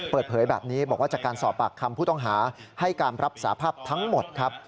เปิดเผยแบบนี้บอกว่าจากการสอบปากคำผู้ต้องหาให้การรับสาภาพทั้งหมดครับ